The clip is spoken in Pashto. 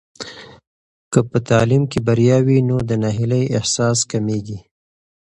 که په تعلیم کې بریا وي، نو د ناهیلۍ احساس کمېږي.